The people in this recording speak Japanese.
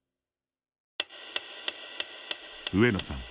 上野さん